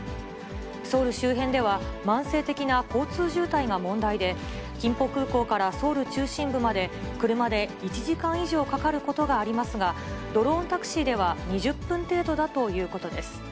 ソウル周辺では、慢性的な交通渋滞が問題で、キンポ空港からソウル中心部まで、車で１時間以上かかることがありますが、ドローンタクシーでは２０分程度だということです。